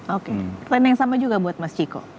oke plan yang sama juga buat mas ciko